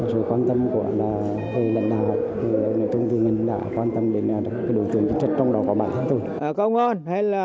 sự quan tâm của thầy lãnh đạo thì mình đã quan tâm đến các đối chiến chính sách trong đó của bản thân tôi